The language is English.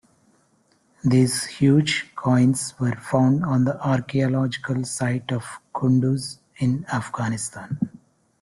These huge coins were found on the archeological site of Qunduz in Afghanistan.